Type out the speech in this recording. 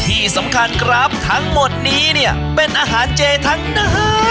ที่สำคัญครับทั้งหมดนี้เนี่ยเป็นอาหารเจทั้งหน้า